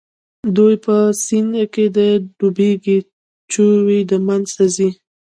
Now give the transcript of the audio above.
نو په سيند کښې ډوبېږي چوي د منځه ځي.